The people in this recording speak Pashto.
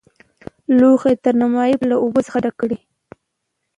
لوښی تر نیمايي پورې له اوبو څخه ډک کړئ.